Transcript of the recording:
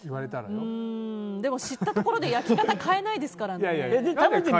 でも知ったところで焼き方変えないですからね。